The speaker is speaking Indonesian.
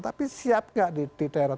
tapi siap nggak di daerah